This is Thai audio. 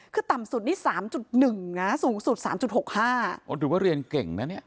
คือต่ำสุดนี้๓๑นะสูงสุด๓๖๕ถูกว่าเรียนเก่งนะเนี่ย